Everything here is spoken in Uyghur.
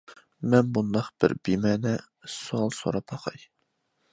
مەن مۇنداق بىر بىمەنە سوئال سوراپ باقاي.